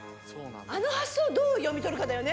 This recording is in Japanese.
あの発想をどう読み取るかだよね